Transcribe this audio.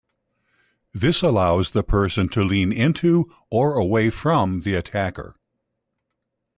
This allows the person to lean into or away from the attacker.